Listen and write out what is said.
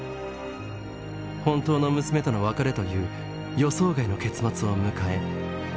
本当の娘との別れという予想外の結末を迎え物語は終わります。